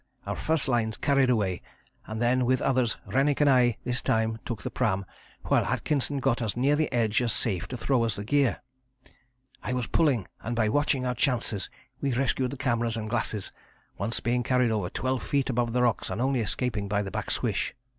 Our first lines carried away, and then, with others, Rennick and I this time took the pram while Atkinson got as near the edge as safe to throw us the gear. I was pulling, and by watching our chances we rescued the cameras and glasses, once being carried over 12 feet above the rocks and only escaping by the back swish.